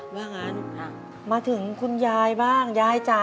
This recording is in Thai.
ว่างั้นมาถึงคุณยายบ้างยายจ้ะ